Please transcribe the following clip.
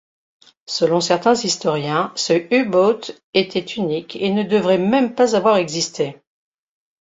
Selon certains historiens, ce U-Boat était unique et ne devrait même pas avoir existé.